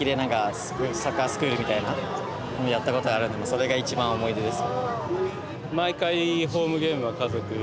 それが一番思い出です。